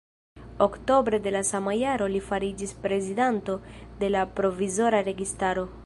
Oktobre de la sama jaro li fariĝis prezidanto de la provizora registaro.